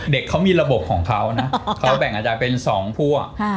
เด็กเขามีระบบของเขานะเขาแบ่งอาจารย์เป็น๒พวก